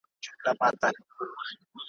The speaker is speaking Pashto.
خواږه یاران وه پیالې د مُلو `